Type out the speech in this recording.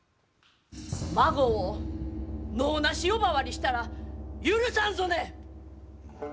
孫を「能なし」呼ばわりしたら許さんぞね！